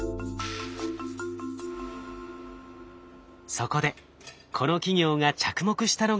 そこでこの企業が着目したのがこちら。